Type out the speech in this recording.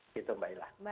gitu mbak ilah